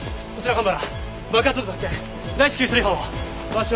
蒲原！